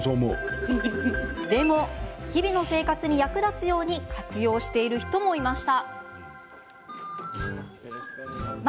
でも、日々の生活に役立つように活用している人もいましたよ。